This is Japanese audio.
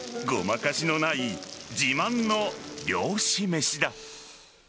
ごまかしのない自慢の漁師めしだ。